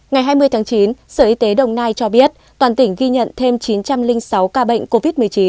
ngày hai mươi tháng chín sở y tế đồng nai cho biết toàn tỉnh ghi nhận thêm chín trăm linh sáu ca bệnh covid một mươi chín